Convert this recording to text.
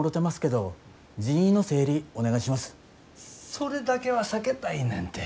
それだけは避けたいねんて。